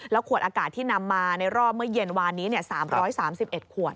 ขวดอากาศที่นำมาในรอบเมื่อเย็นวานนี้๓๓๑ขวด